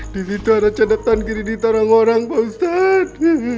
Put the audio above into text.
disitu ada cadetan kiri ditarang orang pak ustad